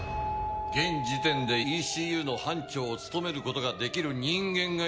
現時点でＥＣＵの班長を務めることができる人間がいないんだ。